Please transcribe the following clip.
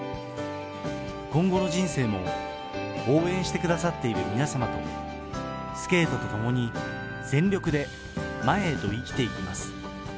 今後の人生も、応援してくださっている皆様とスケートと共に全力で前へと生きていきます。